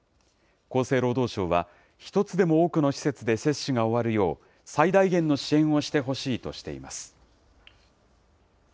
厚生労働省は、一つでも多くの施設で接種が終わるよう、最大限の支援をしてほしいとしています。